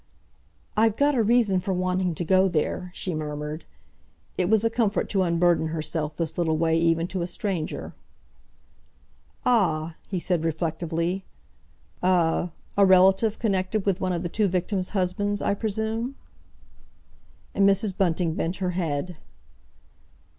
"I've got a reason for wanting to go there," she murmured. It was a comfort to unburden herself this little way even to a stranger. "Ah!" he said reflectively. "A—a relative connected with one of the two victims' husbands, I presume?" And Mrs. Bunting bent her head.